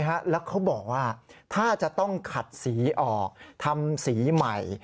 แล้วเขาบอกว่าถ้าจะต้องขัดสีออกทำสีใหม่